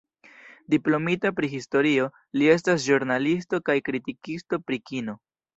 Diplomita pri historio, li estas ĵurnalisto kaj kritikisto pri kino.